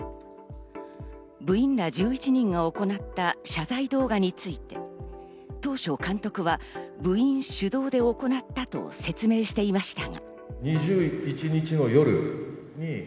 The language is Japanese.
部員ら１１人が行った謝罪動画について、当初監督は部員主導で行ったと説明していました。